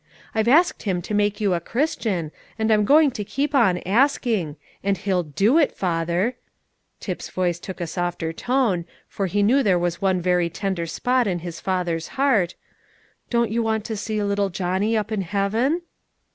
I've asked Him to make you a Christian, and I'm going to keep on asking, and He'll do it. Father," Tip's voice took a softer tone, for he knew there was one very tender spot in his father's heart, "don't you want to see little Johnny up in heaven?"